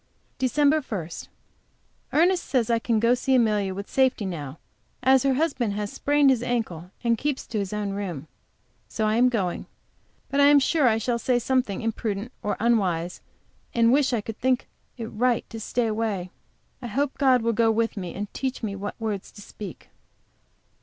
DECEMBER 1. Ernest says I can go to see Amelia with safety now, as her husband has sprained his ankle, and keeps to his own room. So I am going. But, I am sure, I shall say something imprudent or unwise, and wish I could think it right to stay away. I hope God will go with me and teach me what words to speak.